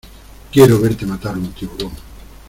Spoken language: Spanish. quiero verte matar un tiburón.